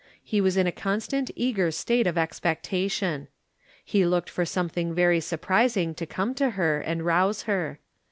He was in a constant eager state of expectation. He looked for some thing very surprising to come to her and rouse her.